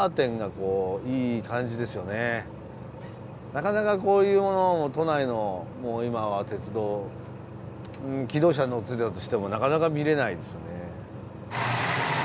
なかなかこういうものも都内の今は鉄道気動車に乗ってたとしてもなかなか見れないですよね。